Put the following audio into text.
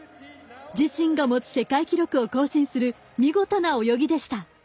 自身が持つ世界記録を更新する見事な泳ぎでした。